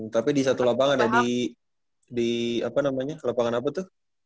tapi di satu lapangan ya di apa namanya lapangan apa tuh